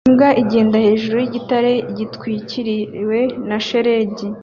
Imbwa igenda hejuru yigitare gitwikiriwe na shelegi